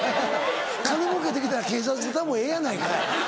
金もうけできたら警察沙汰もええやないかい。